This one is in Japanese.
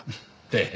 ええ。